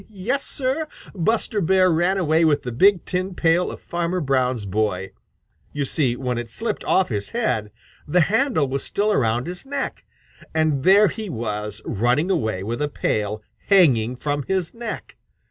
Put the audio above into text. Yes, Sir, Buster Bear ran away with the big tin pail of Farmer Brown's boy! You see when it slipped off his head, the handle was still around his neck, and there he was running away with a pail hanging from his neck!